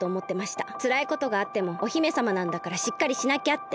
つらいことがあってもお姫さまなんだからしっかりしなきゃって。